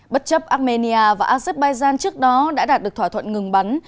bất chấp armenia và azerbaijan trước đó đã đạt được thỏa thuận ngừng bắn